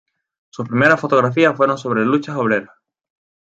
Sus primeras fotografías fueron sobre luchas obreras.